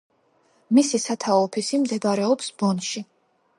მისი სათაო ოფისი მდებარეობს ბონში.